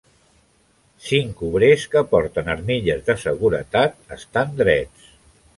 Cinc obrers que porten armilles de seguretat estan drets.